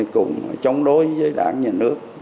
cùng chống đối với đảng nhà nước